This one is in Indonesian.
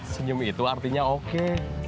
senyum itu artinya oke